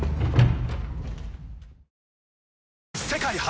世界初！